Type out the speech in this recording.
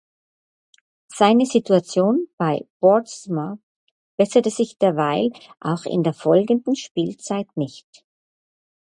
Seine Situation bei Portsmouth besserte sich derweil auch in der folgenden Spielzeit nicht.